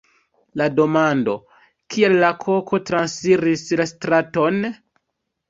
La demando "Kial la koko transiris la straton?